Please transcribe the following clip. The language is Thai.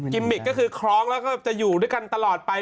มิกก็คือคล้องแล้วก็จะอยู่ด้วยกันตลอดไป